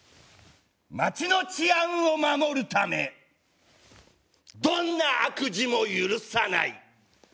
街の治安を守るためどんな悪事も許さない。